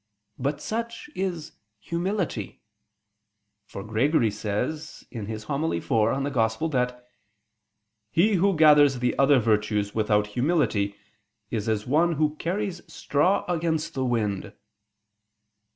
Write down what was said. But such is humility: for Gregory says (Hom. iv in Ev.) that "he who gathers the other virtues without humility is as one who carries straw against the wind."